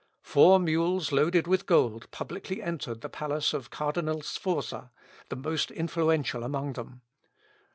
Four mules loaded with gold publicly entered the palace of Cardinal Sforza, the most influential among them.